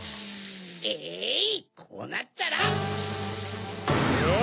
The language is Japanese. えいこうなったら！わ！